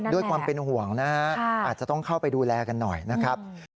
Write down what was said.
ด้วยความเป็นห่วงนะฮะอาจจะต้องเข้าไปดูแลกันหน่อยนะครับ